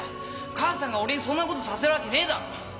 母さんが俺にそんなことさせるわけねえだろ！